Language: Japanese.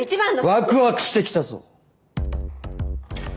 ワクワクしてきたぞ！